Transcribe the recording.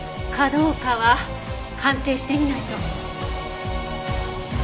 かどうかは鑑定してみないと。